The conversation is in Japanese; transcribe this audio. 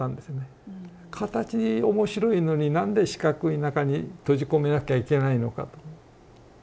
形面白いのに何で四角い中に閉じ込めなきゃいけないのかと。